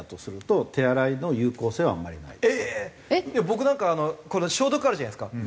僕なんか消毒あるじゃないですか。